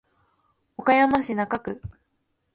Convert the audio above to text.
岡山市中区